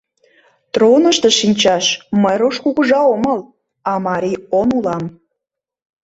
— Тронышто шинчаш мый руш кугыжа омыл, а марий он улам!